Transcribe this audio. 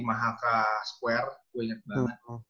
mahaka square gue inget banget